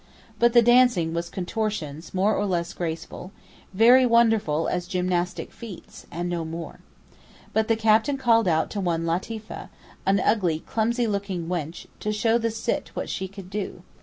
But the dancing was contortions, more or less graceful, very wonderful as gymnastic feats, and no more. But the captain called out to one Latifeh, an ugly, clumsy looking wench, to show the Sitt what she could do.